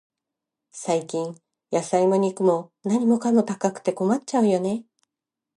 最近、野菜も肉も、何かも高くて困っちゃうよね。